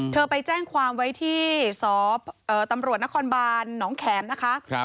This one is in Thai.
ไปแจ้งความไว้ที่สตำรวจนครบานหนองแขมนะคะ